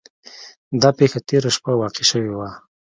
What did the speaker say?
دا پیښه تیره شپه واقع شوې وه.